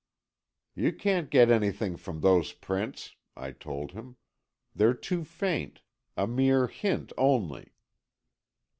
"You can't get anything from those prints," I told him. "They're too faint. A mere hint only."